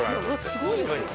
すごいですよ。